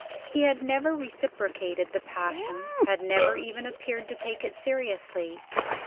He had never reciprocated the passion had never even appeared to take it seriously.